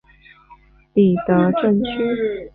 里德镇区。